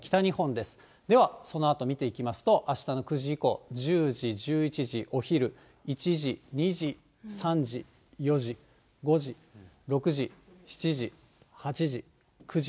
ではそのあと見ていきますと、あしたの９時以降、１０時、１１時、お昼、１時、２時、３時、４時、５時、６時、７時、８時、９時。